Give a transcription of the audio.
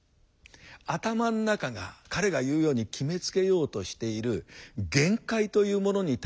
頭ん中が彼が言うように決めつけようとしている限界というものに対する魔よけ。